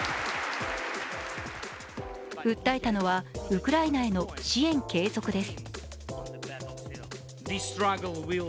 訴えたのは、ウクライナへの支援継続です。